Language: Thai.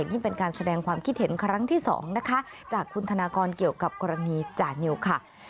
ยิ่งเป็นการแสดงความคิดเห็นครั้งที่๒นะคะจากคุณธนากรเกี่ยวกับกรณีจานิวค่ะ